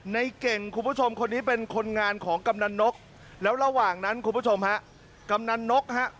ในเก่งคุณผู้ชมคนนี้เป็นคนงานของกำนันนกแล้วระหว่างนั้นคุณผู้ชมฮะกำนันนกฮะ